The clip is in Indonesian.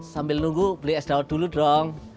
sambil nunggu beli es dawet dulu dong